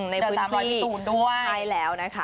เดี๋ยวตามร้อยพี่ตูนด้วยใช่แล้วนะคะ